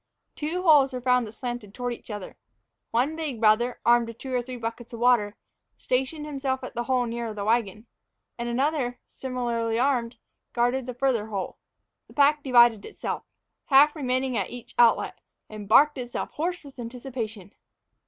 Two holes were found that slanted toward each other. One big brother, armed with two or three buckets of water, stationed himself at the hole nearer the wagon; and another, similarly armed, guarded the farther hole. The pack divided itself, half remaining at each outlet, and barked itself hoarse with anticipation.